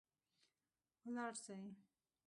ولاړ سئ